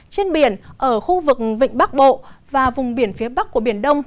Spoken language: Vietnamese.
trên biển ở khu vực vịnh bắc bộ và vùng biển phía bắc của biển đông